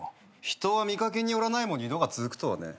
人は見掛けによらないも二度続くとはね。